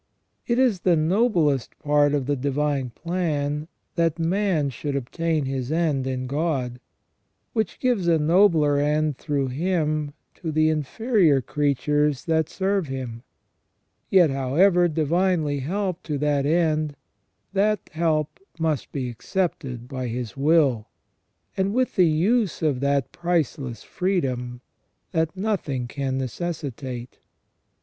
It is the noblest part of the divine plan that man should obtain his end in God, which gives a nobler end through him to the inferior creatures that serve him ; yet, however divinely helped to that end, that help must be accepted by his will, and with the use of that priceless freedom that nothing can necessitate.